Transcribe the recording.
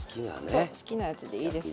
そう好きなやつでいいです。